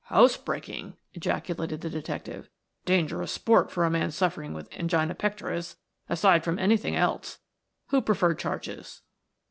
"House breaking" ejaculated the detective. "Dangerous sport for a man suffering with angina pectoris, aside from anything else. Who preferred charges?"